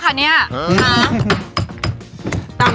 ๑ช้อนครับ